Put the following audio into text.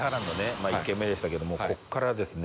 まあ１軒目でしたけどもここからですね